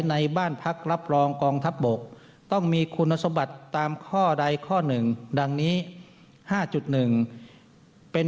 ในบ้านพักรับรองกองทัพบกต้องมีคุณสมบัติตามข้อใดข้อหนึ่งดังนี้๕๑เป็น